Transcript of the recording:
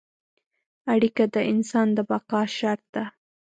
اړیکه د انسان د بقا شرط ده.